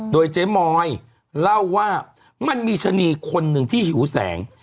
โดยเจ๊มอยเล่าว่ามันมีชะนีคนหนึ่งที่หิวแสง